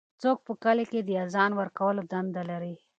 څوک په کلي کې د اذان ورکولو دنده لري؟